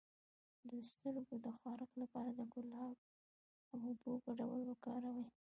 د سترګو د خارښ لپاره د ګلاب او اوبو ګډول وکاروئ